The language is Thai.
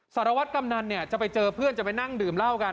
สารวัตรกำนันเนี่ยจะไปเจอเพื่อนจะไปนั่งดื่มเหล้ากัน